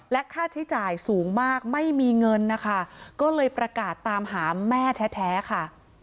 ค่าใช้จ่ายสูงมากไม่มีเงินนะคะก็เลยประกาศตามหาแม่แท้ค่ะ